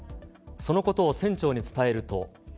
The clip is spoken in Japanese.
そのことを船長に伝えると。